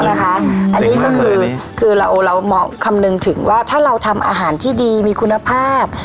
นะคะอันนี้คือจริงมากเลยอันนี้คือเราเรามองคำหนึ่งถึงว่าถ้าเราทำอาหารที่ดีมีคุณภาพ